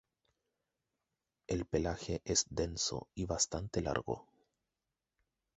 El pelaje es denso y bastante largo.